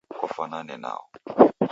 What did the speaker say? Kwafanane nao